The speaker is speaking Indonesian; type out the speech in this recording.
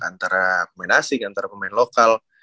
antara pemain asing antara pemain lokal